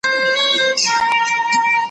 زه به سبا د هنرونو تمرين کوم،